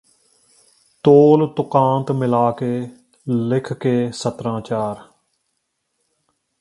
ਤੋਲ ਤੁਕਾਂਤ ਮਿਲਾ ਕੇ ਲਿਖ ਕੇ ਸਤਰਾਂ ਚਾਰ